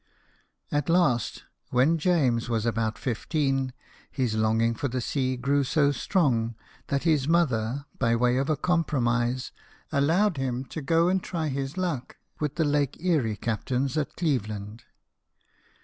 141 At last, when James was about fifteen, his longing for the sea grew so strong that his mother, by way of a compromise, allowed him to go and try his luck with the Lake Erie cap tains at Cleveland.